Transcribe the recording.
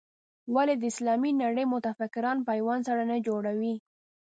ولې د اسلامي نړۍ متفکران پیوند سره نه جوړوي.